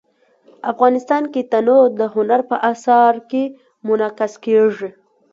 افغانستان کې تنوع د هنر په اثار کې منعکس کېږي.